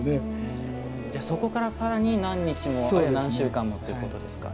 じゃあそこから更に何日もあるいは何週間もっていうことですか。